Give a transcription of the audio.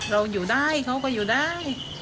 เราอยู่ได้เขาก็อยู่ได้